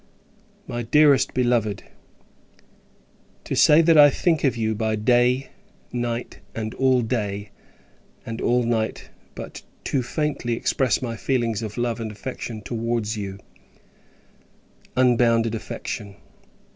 My Dearest Beloved , To say, that I think of you by day, night, and all day, and all night, but too faintly express my feelings of love and affection towards you unbounded affection.